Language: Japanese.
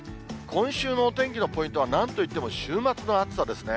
今週のお天気のポイントは、なんといっても週末の暑さですね。